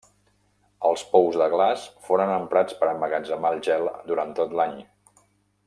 Els pous de glaç foren emprats per emmagatzemar el gel durant tot l'any.